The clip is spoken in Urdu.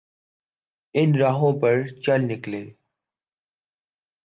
ان راہوں پہ چل نکلے۔